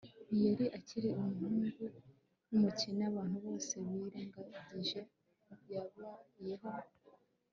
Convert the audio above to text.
ntiyari akiri umuhungu wumukene abantu bose birengagije. yabayeho